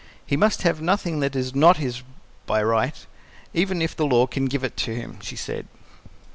"He must have nothing that is NOT his by right, even if the law can give it to him," she said.